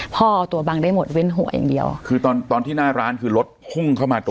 ตัวบังได้หมดเว่นหัวอย่างเดียวคือตอนตอนที่หน้าร้านคือรถพุ่งเข้ามาตรง